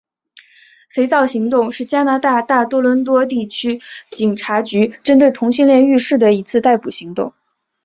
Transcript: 肥皂行动是加拿大大多伦多地区警察局针对同性恋浴室的一次逮捕行动。